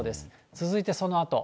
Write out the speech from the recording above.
続いてそのあと。